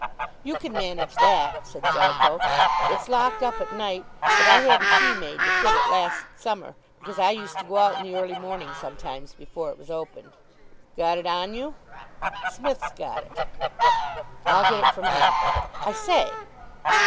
"You can manage that," said Jellicoe; "it's locked up at night, but I had a key made to fit it last summer, because I used to go out in the early morning sometimes before it was opened." "Got it on you?" "Smith's got it." "I'll get it from him." "I say!"